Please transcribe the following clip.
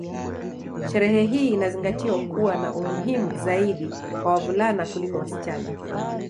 Sherehe hii inazingatiwa kuwa na umuhimu zaidi kwa wavulana kuliko wasichana